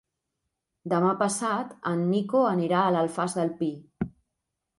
Demà passat en Nico anirà a l'Alfàs del Pi.